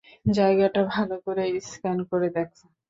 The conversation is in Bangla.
জায়গাটা ভাল করে স্ক্যান করে দেখো।